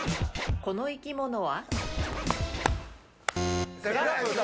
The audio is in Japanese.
この生き物は？